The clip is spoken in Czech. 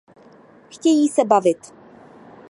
Chtějí se bavit.